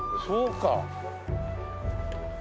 そうか。